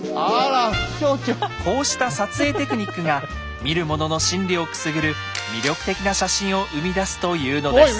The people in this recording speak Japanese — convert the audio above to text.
こうした撮影テクニックが見る者の心理をくすぐる魅力的な写真を生み出すというのです。